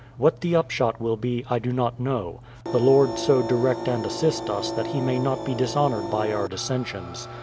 What the upshot will be, I do not know. The Lord so direct and assist us that He may not be dis honoured by our dissensions.